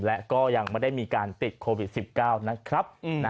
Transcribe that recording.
และก็ยังไม่ได้มีการติดโควิด๑๙นะครับ